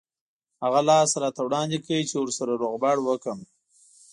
هغه لاس راته وړاندې کړ چې ورسره روغبړ وکړم.